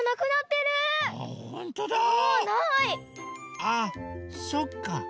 ああそっか。